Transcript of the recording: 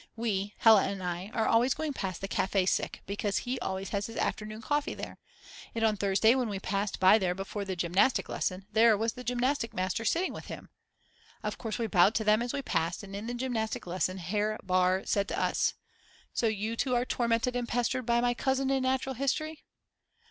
We, Hella and I, are always going past the Cafe Sick because he always has his afternoon coffee there. And on Thursday when we passed by there before the gymnastic lesson there was the gymnastic master sitting with him. Of course we bowed to them as we passed and in the gymnastic lesson Herr Baar said to us: So you two are tormented and pestered by my cousin in natural history?